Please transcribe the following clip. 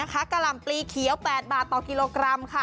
กะหล่ำปลีเขียว๘บาทต่อกิโลกรัมค่ะ